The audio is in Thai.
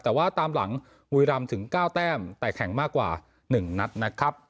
แต่ว่าตามหลังมุยรำถึงเก้าแต้มแต่แข็งมากกว่าหนึ่งนัดนะครับ